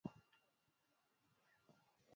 Nyumba ilibaangukia busiku lakini akuna ule aliumiya